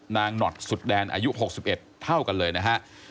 หนอดสุดแดนอายุ๖๑เท่ากันเลยนะฮะ